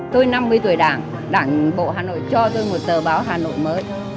tôi năm mươi tuổi đảng đảng bộ hà nội cho tôi một tờ báo hà nội mới